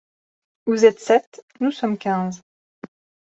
Vous êtes sept, nous sommes quinze.